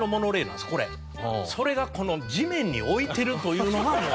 それがこの地面に置いてるというのがもう。